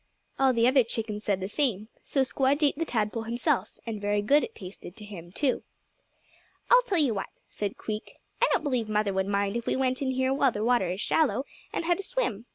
All the other chickens said the same, so Squdge ate the tadpole himself, and very good it tasted to him, too. "I'll tell you what," said Queek; "I don't believe mother would mind if we went in here where the water is shallow, and had a swim.